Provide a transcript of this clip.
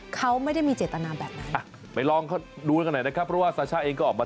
เขาไม่ได้มีเจตนาแบบนั้นอ่ะไปลองเขาดูกันหน่อยนะครับเพราะว่าซาช่าเองก็ออกมา